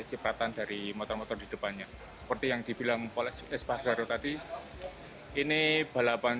cepatan dari motor motor di depannya seperti yang dibilang poles espargaro tadi ini balapan